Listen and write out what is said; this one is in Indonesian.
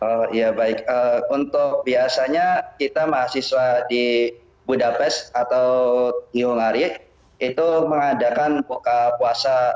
oh iya baik untuk biasanya kita mahasiswa di budapest atau new ngarik itu mengadakan buka puasa